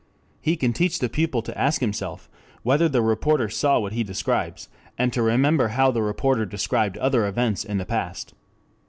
He can teach the pupil to ask himself whether the reporter saw what he describes, and to remember how that reporter described other events in the past.